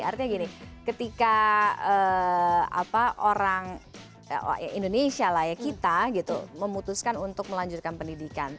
artinya gini ketika orang indonesia kita memutuskan untuk melanjutkan pendidikan